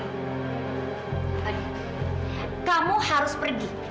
fadil kamu harus pergi